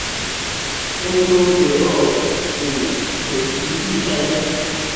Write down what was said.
欧洲主要股指急剧下跌。